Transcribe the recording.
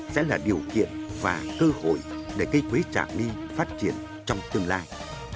sẽ là điều kiện và cơ hội để cây quế trà my phát triển trong tương lai